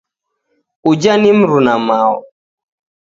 Uja ni mrunamao